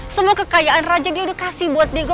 semua kekayaan raja dia udah kasih buat diego